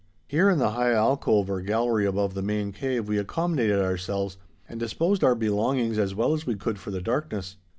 Here in the high alcove or gallery above the main cave we accommodated ourselves, and disposed our belongings as well as we could for the darkness.